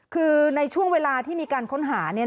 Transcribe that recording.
คือในช่วงเวลาที่มีการค้นหา